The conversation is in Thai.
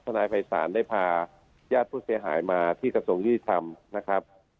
นายภัยศาลได้พาญาติผู้เสียหายมาที่กระทรวงยุติธรรมนะครับ